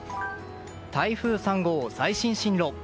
台風３号、最新進路。